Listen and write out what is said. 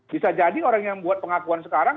bisa jadi orang yang buat pengakuan sekarang